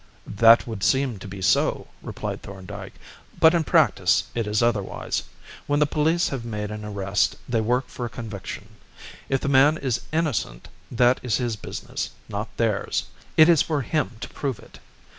"That would seem to be so," replied Thorndyke, "but in practice it is otherwise. When the police have made an arrest they work for a conviction. If the man is innocent, that is his business, not theirs; it is for him to prove it.